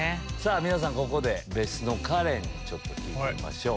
皆さんここで別室のカレンに聞いてみましょう。